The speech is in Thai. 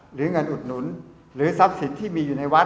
หรือเงินอุดหนุนหรือทรัพย์สินที่มีอยู่ในวัด